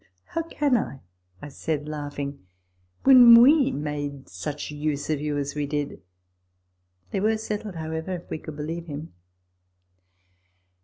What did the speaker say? " How can I ?" I said, laughing, " when we made such use of you as we did ?" They were settled, however, if we could believe him.